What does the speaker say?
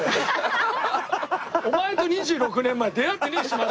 お前と２６年前出会ってねえしまだ。